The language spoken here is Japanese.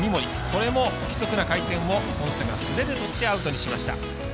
これも不規則な回転をポンセが素手でとってアウトにしました。